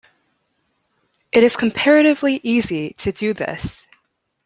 It is comparatively easy to do this.